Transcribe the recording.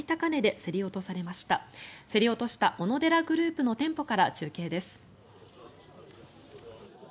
競り落としたオノデラグループの店舗から中継です。